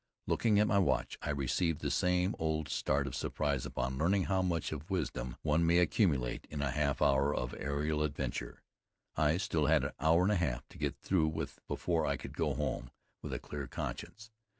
Looking at my watch I received the same old start of surprise upon learning how much of wisdom one may accumulate in a half hour of aerial adventure. I had still an hour and a half to get through with before I could go home with a clear conscience.